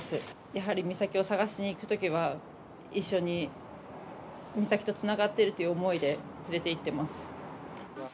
やはり美咲を捜しに行くときは、一緒に、美咲とつながっているという思いで連れていってます。